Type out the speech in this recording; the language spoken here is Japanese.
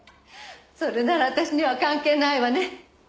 それなら私には関係ないわね。